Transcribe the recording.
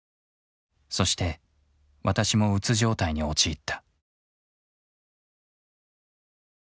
そして私もうつ状態に陥った。